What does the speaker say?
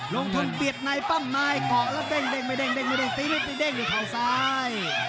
ลงทนเบียดในปั้มนายขอแล้วเด้งมาเด้งมาเด้งตีนิดเด้งอยู่ข้าวซ้าย